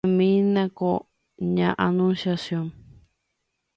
Ma'ẽmínako ña Anunciación.